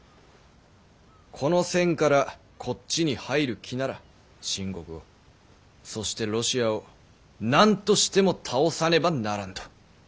この線からこっちに入る気なら清国をそしてロシアを何としても斃さねばならんと。